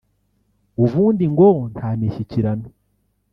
ubundi ngo nta mishyikirano